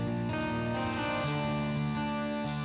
ini mas si dani